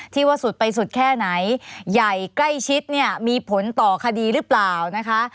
ว่าสุดไปสุดแค่ไหนใหญ่ใกล้ชิดเนี่ยมีผลต่อคดีหรือเปล่านะคะ